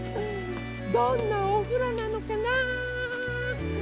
どんなおふろなのかな。